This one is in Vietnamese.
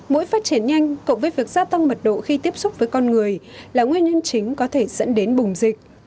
mũi phát triển nhanh cộng với việc gia tăng mật độ khi tiếp xúc với con người là nguyên nhân chính có thể dẫn đến bùng dịch